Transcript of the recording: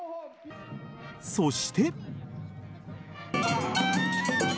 そして。